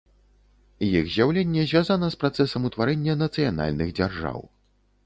Іх з'яўленне звязана з працэсам утварэння нацыянальных дзяржаў.